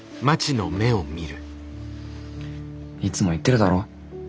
いつも言ってるだろ？